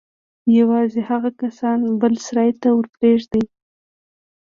يوازې هغه کسان بل سراى ته ورپرېږدي.